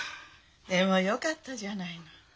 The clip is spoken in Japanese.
でもよかったじゃないの。